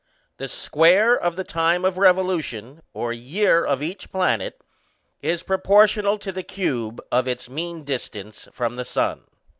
_The square of the time of revolution (or year) of each planet is proportional to the cube of its mean distance from the sun.